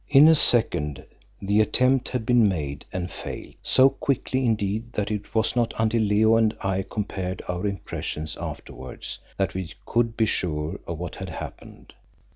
In a second the attempt had been made and failed, so quickly indeed that it was not until Leo and I compared our impressions afterwards that we could be sure of what had happened.